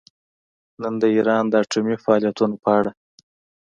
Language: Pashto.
نن د ایران د اټومي فعالیتونو په اړه